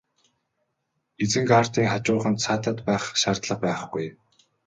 Изенгардын хажууханд саатаад байх шаардлага байхгүй.